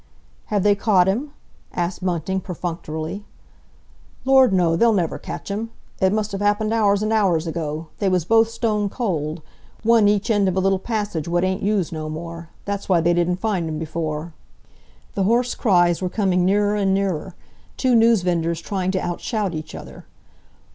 "Have they caught him?" asked Bunting perfunctorily. "Lord, no! They'll never catch 'im! It must 'ave happened hours and hours ago—they was both stone cold. One each end of a little passage what ain't used no more. That's why they didn't find 'em before." The hoarse cries were coming nearer and nearer—two news vendors trying to outshout each other.